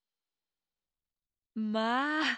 まあ！